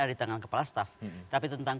ada di tangan kepala staff tapi tentang